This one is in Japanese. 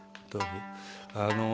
あの。